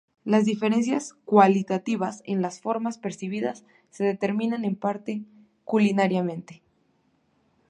Las diferencias cualitativas, en las formas percibidas, se determinan en parte culturalmente.